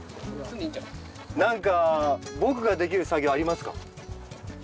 何か僕ができる作業ありますか？